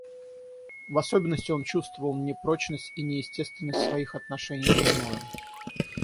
В особенности он чувствовал непрочность и неестественность своих отношений с женою.